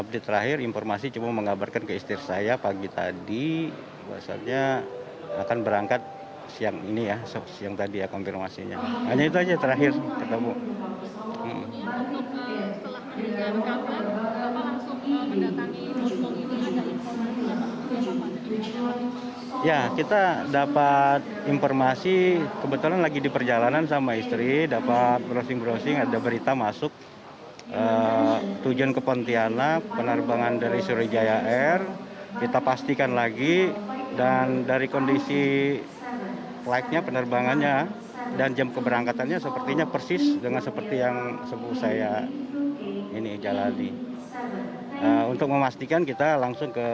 pak epta kami sebelumnya mengucapkan untuk berduka cita